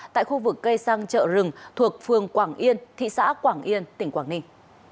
tại khu vực cây xăng chợ rừng thuộc phường quảng yên thị xã quảng yên tỉnh quảng ninh